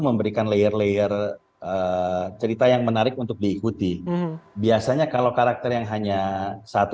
memberikan layer layer cerita yang menarik untuk diikuti biasanya kalau karakter yang hanya satu